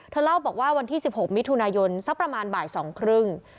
เล่าบอกว่าวันที่๑๖มิถุนายนสักประมาณบ่ายสองครึ่ง